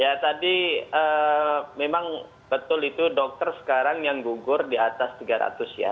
ya tadi memang betul itu dokter sekarang yang gugur di atas tiga ratus ya